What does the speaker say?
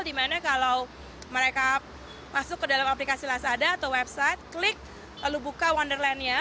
dimana kalau mereka masuk ke dalam aplikasi lasada atau website klik lalu buka wonderlandnya